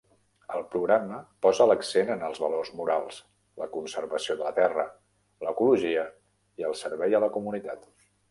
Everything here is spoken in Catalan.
El programa posa l'accent en els valors morals, la conservació de la terra, l'ecologia i el servei a la comunitat.